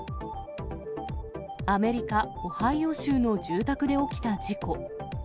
アメリカ・オハイオ州の住宅で起きた事故。